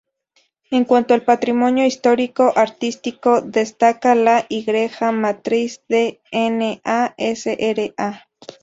En cuanto al patrimonio histórico-artístico, destaca la Igreja Matriz de N.ª Sra.